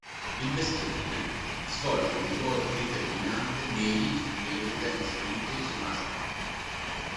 Il bestiame svolge un ruolo determinante nei riti e nelle credenze religiose masai.